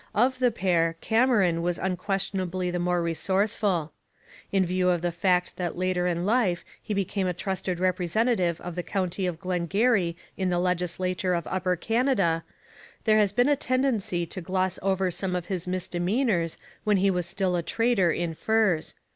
Of the pair, Cameron was unquestionably the more resourceful. In view of the fact that later in life he became a trusted representative of the county of Glengarry in the legislature of Upper Canada, there has been a tendency to gloss over some of his misdemeanours when he was still a trader in furs.